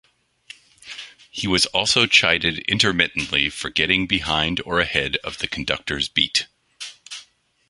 He was also chided intermittently for getting behind or ahead of the conductor's beat.